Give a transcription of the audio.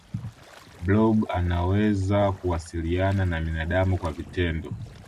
blob anawezo kuwasiliana na binadamu kwa vitendo